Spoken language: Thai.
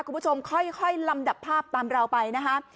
คุณผู้ชมค่อยลำดับภาพตามเราไปนะคะ